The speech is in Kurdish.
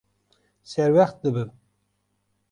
Serwext dibim.